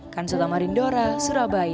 kanselam arindora surabaya